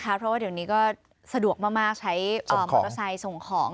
เพราะว่าเดี๋ยวนี้ก็สะดวกมากใช้มอเตอร์ไซค์ส่งของ